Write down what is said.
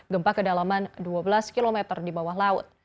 gempa kedalaman dua belas km di bawah laut